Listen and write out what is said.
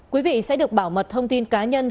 quý vị sẽ được bảo mật thông tin cá nhân